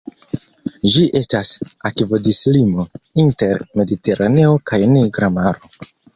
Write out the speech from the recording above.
Ĝi estas akvodislimo inter Mediteraneo kaj Nigra Maro.